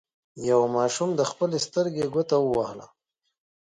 یوه ماشوم د خپلې سترګې ګوته ووهله.